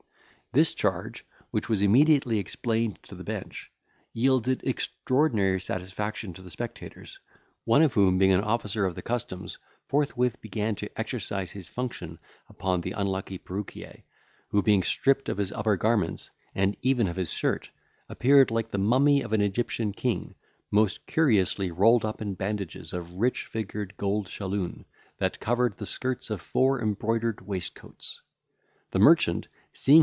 This charge, which was immediately explained to the bench, yielded extraordinary satisfaction to the spectators, one of whom, being an officer of the customs, forthwith began to exercise his function upon the unlucky perruquier, who, being stripped of his upper garments, and even of his shirt, appeared like the mummy of an Egyptian king, most curiously rolled up in bandages of rich figured gold shalloon, that covered the skirts of four embroidered waistcoats.